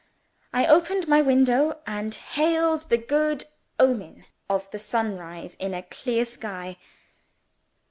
I opened my window, and hailed the good omen of sunrise in a clear sky.